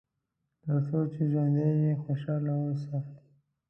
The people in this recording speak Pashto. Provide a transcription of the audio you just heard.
تر څو چې ژوندی یې خوشاله اوسه.